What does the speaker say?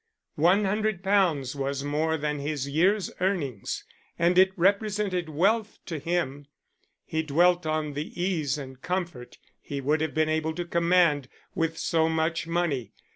One hundred pounds was more than his year's earnings, and it represented wealth to him. He dwelt on the ease and comfort he would have been able to command with so much money.